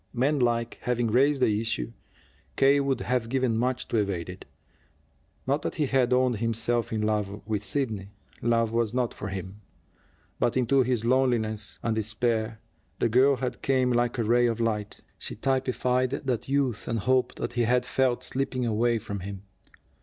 Manlike, having raised the issue, K. would have given much to evade it. Not that he had owned himself in love with Sidney. Love was not for him. But into his loneliness and despair the girl had came like a ray of light. She typified that youth and hope that he had felt slipping away from him.